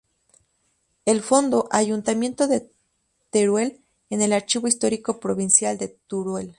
El fondo "Ayuntamiento de Teruel" en el Archivo Histórico Provincial de Teruel